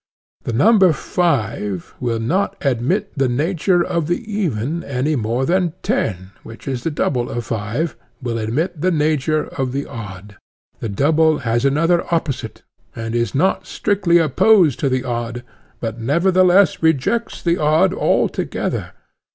The number five will not admit the nature of the even, any more than ten, which is the double of five, will admit the nature of the odd. The double has another opposite, and is not strictly opposed to the odd, but nevertheless rejects the odd altogether.